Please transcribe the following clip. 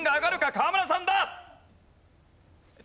河村さんだ！